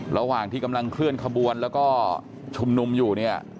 ระหว่างที่กำลังเคลื่อนขบวนแล้วก็ชุมนุมอยู่เนี่ย